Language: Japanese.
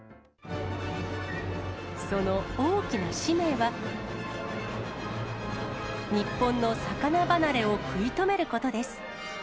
その大きな使命は、日本の魚離れを食い止めることです。